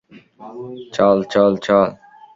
চল, চল, চল!